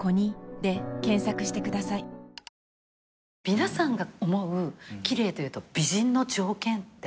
皆さんが思う奇麗というと美人の条件って。